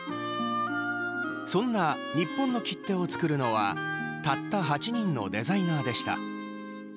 そんな、日本の切手を作るのはたった８人のデザイナーでした。